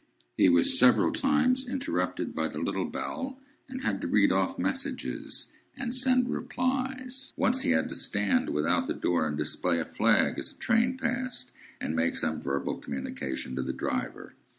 He was several times interrupted by the little bell, and had to read off messages, and send replies. Once he had to stand without the door, and display a flag as a train passed, and make some verbal communication to the driver.